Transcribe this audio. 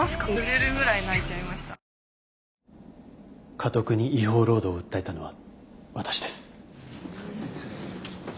カトクに違法労働を訴えたのは私です。